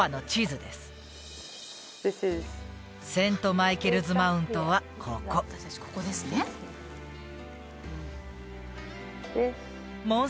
セント・マイケルズ・マウントはここ私達ここですねモン